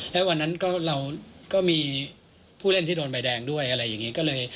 แล้ววันนั้นเราก็มีผู้เล่นที่โดนใบแดงด้วยอะไรอย่างนี้